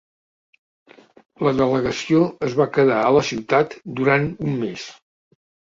La delegació es va quedar a la ciutat durant un mes.